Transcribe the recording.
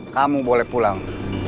kamu boleh pulang